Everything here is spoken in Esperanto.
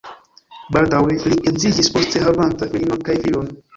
Baldaŭe li edziĝis, poste havanta filinon kaj filon.